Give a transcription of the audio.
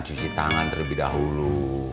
cuci tangan terlebih dahulu